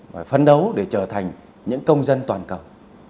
và phấn đấu để trở thành những công dân toàn cầu